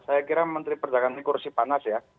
saya kira menteri perdagangan ini kursi panas ya